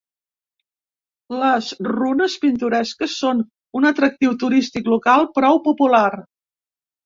Les runes pintoresques són un atractiu turístic local prou popular.